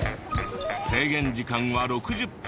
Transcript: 制限時間は６０分。